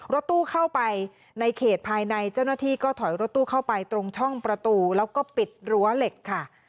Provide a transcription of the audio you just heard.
รถตู้เข้าไปในเขตภายในเจ้าหน้าที่ก็ถอยรถตู้เข้าไปตรงช่องประตูแล้วก็ปิดรั้วเหล็กค่ะ